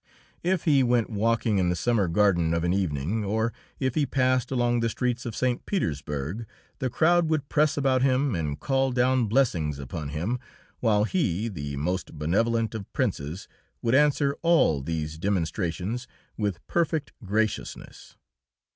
If he went walking in the Summer Garden of an evening, or if he passed along the streets of St. Petersburg, the crowd would press about him and call down blessings upon him, while he, the most benevolent of princes, would answer all these demonstrations with perfect graciousness.